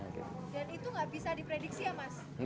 dan itu gak bisa diprediksi ya mas